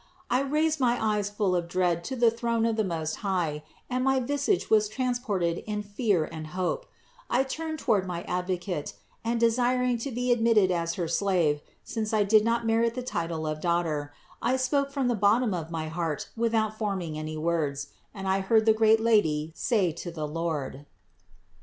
I raised my eyes full of dread to the throne of the Most High and my visage was transported in fear and hope ; I turned toward my Advocate, and desiring to be admitted as her slave, since I did not merit the title of daughter, I spoke from the bottom of my heart without forming any words ; and I heard the great Lady say to the Lord : 27.